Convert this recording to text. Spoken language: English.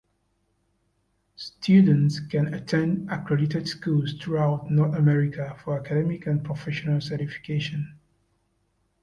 Students can attend accredited schools throughout North America for academic and professional certification.